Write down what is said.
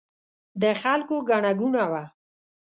د خلکو ګڼه ګوڼه وه.